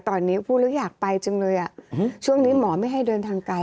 ตอนนี้ฟู้เรายากไปจริงช่วงนี้หมอไม่ให้เดินทางไกล